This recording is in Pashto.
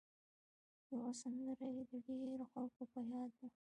یوه سندره یې د ډېرو خلکو په یاد وه.